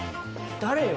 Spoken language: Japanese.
誰よ？